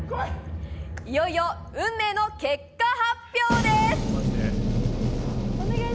いよいよ運命の結果発表です！